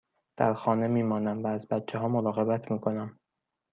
در خانه می مانم و از بچه ها مراقبت می کنم.